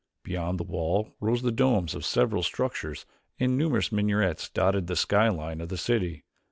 Beyond the wall rose the domes of several structures and numerous minarets dotted the sky line of the city.